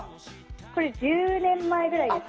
これ、１０年前くらいです。